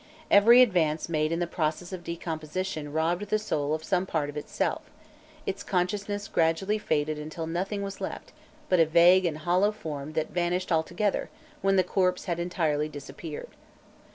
Every advance made in the process of decomposition robbed the soul of some part of itself; its consciousness gradually faded until nothing was left but a vague and hollow form that vanished altogether when the corpse had entirely disappeared.